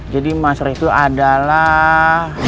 jadi mas riksu adalah